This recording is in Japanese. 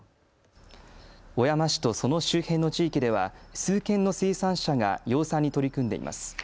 小山市とその周辺の地域では数軒の生産者が養蚕に取り組んでいます。